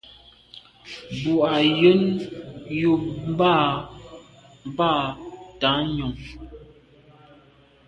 Bù à’ yə́n yúp mbɑ̂ bǎ tǎmnyɔ̀ŋ.